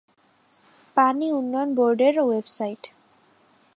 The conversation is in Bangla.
পানি উন্নয়ন বোর্ডের ওয়েবসাইট